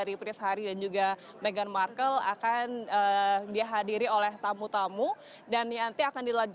itu memungkinkan jelas